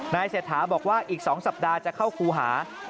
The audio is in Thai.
เศรษฐาบอกว่าอีก๒สัปดาห์จะเข้าครูหา